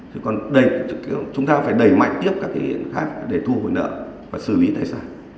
thế còn chúng ta phải đẩy mạnh tiếp các cái hiện khác để thu hồi nợ và xử lý tài sản